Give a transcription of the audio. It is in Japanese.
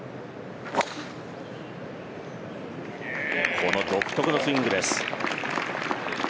この独特のスイングです。